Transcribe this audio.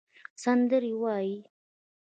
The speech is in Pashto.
سندرې ووایې